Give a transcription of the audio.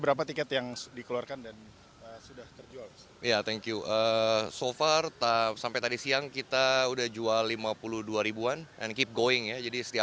mas marshall sejauh ini